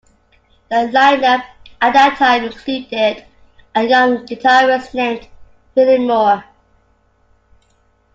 The lineup at that time included a young guitarist named Vinnie Moore.